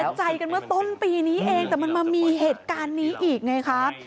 ว่าต้นปีนี้เองแต่มันมามีเหตุการณ์นี้อีกไงครับ